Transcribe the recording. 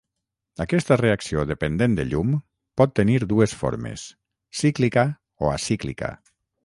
Aquesta reacció dependent de llum pot tenir dues formes: cíclica o acíclica.